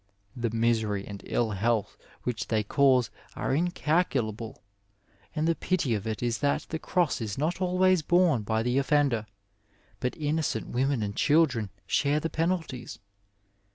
The misery and ill health which they cause are incalculable, and the pity of it is that the cross is not always borne by the offender, but innocent women and children share the penalties.